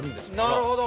なるほど。